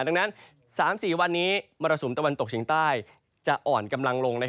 ดังนั้น๓๔วันนี้มรสุมตะวันตกเฉียงใต้จะอ่อนกำลังลง